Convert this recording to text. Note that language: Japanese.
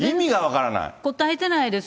答えてないです。